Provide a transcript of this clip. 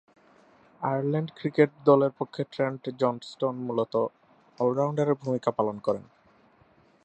Ireland cricket দলের পক্ষে Trent Johnston মূলতঃ অল-রাউন্ডারের ভূমিকা পালন করেন।